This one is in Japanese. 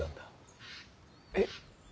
えっ？